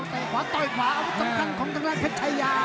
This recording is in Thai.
ใส่ขวาต่อยขวาอาวุธสำคัญของตั้งแรกเพชรไชยา